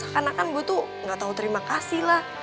karena kan gue tuh gak tau terima kasih lah